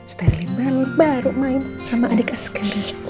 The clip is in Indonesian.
sterilin balik baru main sama adik askara